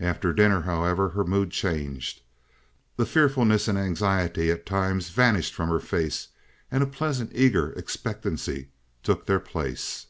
After dinner, however, her mood changed. The fearfulness and anxiety at times vanished from her face, and a pleasant, eager expectancy took their place.